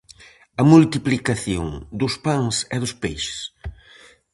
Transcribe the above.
A multiplicación dos pans e dos peixes.